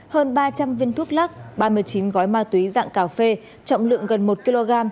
hơn ba trăm linh viên thuốc lắc ba mươi chín gói ma túy dạng cà phê trọng lượng gần một kg